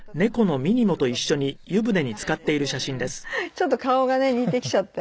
ちょっと顔がね似てきちゃって。